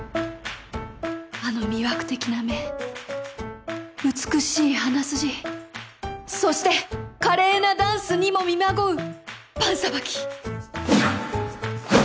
あの魅惑的な目美しい鼻筋そして華麗なダンスにも見まごうパンさばき